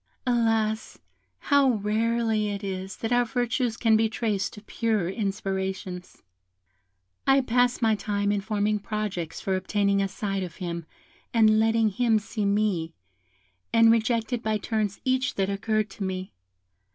Alas! how rarely it is that our virtues can be traced to purer inspirations. "I passed my time in forming projects for obtaining a sight of him, and letting him see me, and rejected by turns each that occurred to me.